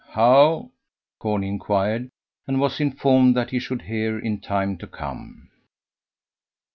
"How?" Corney inquired, and was informed that he should hear in time to come.